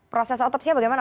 proses otopsinya bagaimana pak